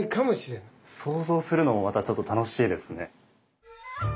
想像するのもまたちょっと楽しいですね。